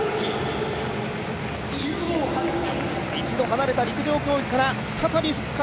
１度離れた陸上競技から再び復活。